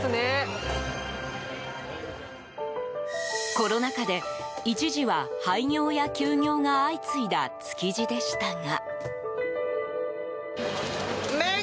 コロナ禍で一時は廃業や休業が相次いだ築地でしたが。